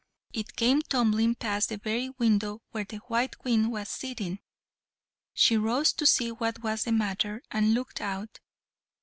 It came tumbling past the very window where the white Queen was sitting; she rose to see what was the matter, and looked out.